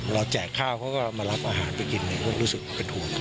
เราแจกข้าวเขาก็มารับอาหารไปกินเราก็รู้สึกว่าเป็นห่วงเขา